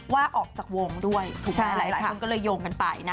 ว่าออกจากวงด้วยถูกไหมหลายคนก็เลยโยงกันไปนะ